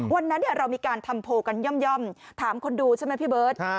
วันนั้นเรามีการทำโพลกันย่อมถามคนดูใช่ไหมพี่เบิร์ต